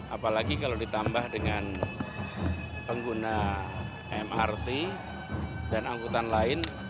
apalagi kalau ditambah dengan pengguna mrt dan angkutan lain